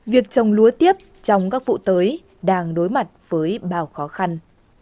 việc trồng lúa tiếp trong các vụ tới đang đối mặt với bao khó khăn